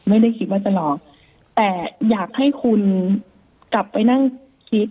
ไม่ได้คิดว่าจะหลอกแต่อยากให้คุณกลับไปนั่งคิด